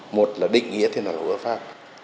một là định nghĩa thế nào là hữu ước pháp